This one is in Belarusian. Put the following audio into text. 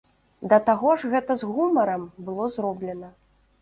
Да таго ж гэта з гумарам было зроблена.